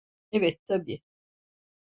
Evet, tabii.